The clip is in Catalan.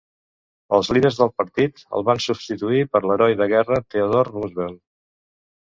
Els líders del partit el van substituir per l'heroi de guerra Theodore Roosevelt.